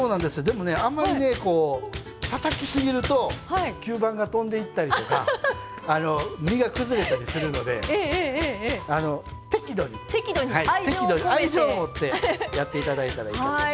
あんまりたたきすぎると吸盤が飛んでいったりとか身が崩れたりするので適度に、愛情を持ってやっていただいたらいいかと。